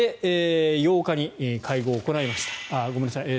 １０日に会合を行いました。